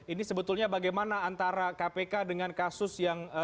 ini sebetulnya bagaimana antara kpk dengan kasus yang